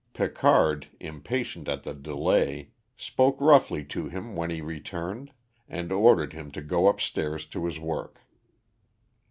Picard, impatient at the delay, spoke roughly to him when he returned, and ordered him to go upstairs to his work.